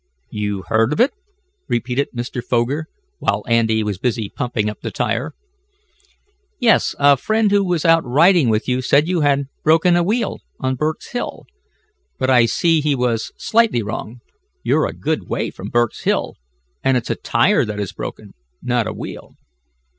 "You heard of it?" repeated Mr. Foger, while Andy was busy pumping up the tire. "Yes, a friend who was out riding with you said you had broken a wheel on Berk's hill. But I see he was slightly wrong. You're a good way from Berk's hill, and it's a tire that is broken, not a wheel."